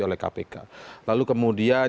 dialah kpk lalu kemudian